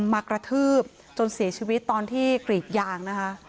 มากระทืบจนเสียชีวิตตอนที่กรีดยางนะคะ